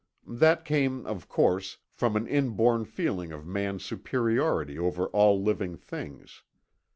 That came, of course, from an inborn feeling of man's superiority over all living things.